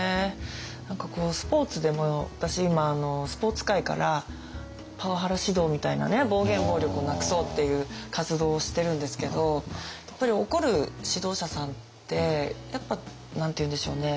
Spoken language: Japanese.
何かこうスポーツでも私今スポーツ界からパワハラ指導みたいなね暴言・暴力をなくそうっていう活動をしてるんですけどやっぱり怒る指導者さんってやっぱ何て言うんでしょうね